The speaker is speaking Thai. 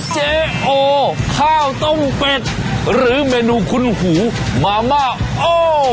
เจ๊โอข้าวต้มเป็ดหรือเมนูคุ้นหูมาม่าโอ